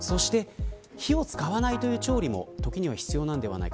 火を使わないという調理も時には必要なのではないか。